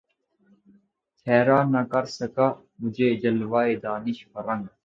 خیرہ نہ کر سکا مجھے جلوۂ دانش فرنگ